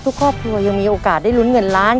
ครอบครัวยังมีโอกาสได้ลุ้นเงินล้าน